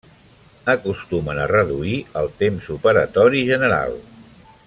Acostumen a reduir el temps operatori general.